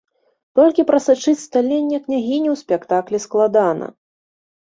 Толькі прасачыць сталенне княгіні ў спектаклі складана.